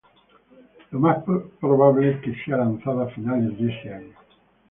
Lo más probable es que sea lanzado a finales de este año.